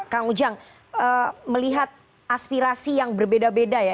kang ujang melihat aspirasi yang berbeda beda ya